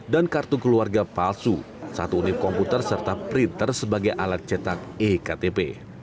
dan kartu keluarga palsu satu unit komputer serta printer sebagai alat cetak iktp